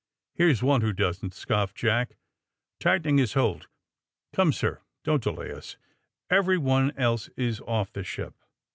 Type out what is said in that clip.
^^ Here's one who doesn't!" scoffed Jack, tightening his hold. ^^Come^ sir. Don't delay US. Everyone else is off the ship."